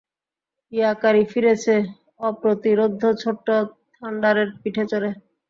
ইয়াকারি ফিরেছে, অপ্রতিরোধ্য ছোট্ট থান্ডারের পিঠে চড়ে।